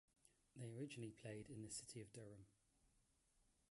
They originally played in the city of Durham.